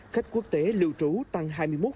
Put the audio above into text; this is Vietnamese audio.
khách quốc tế lưu trú tăng hai mươi một tám